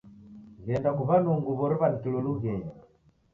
Ghenda kuw'anuo nguw'o riw'anikilo lughenyi.